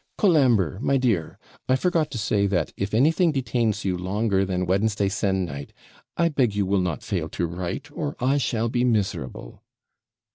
'Colambre, my dear! I forgot to say that, if anything detains you longer than Wednesday se'nnight, I beg you will not fail to write, or I shall be miserable.'